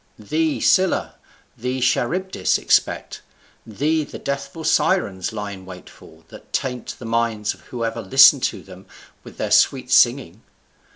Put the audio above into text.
Thee Scylla, thee Charybdis, expect. Thee the deathful Sirens lie in wait for, that taint the minds of whoever listen to them with their sweet singing.